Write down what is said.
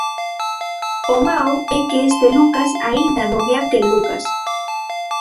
O mao é que este Lucas aínda non é aquel Lucas.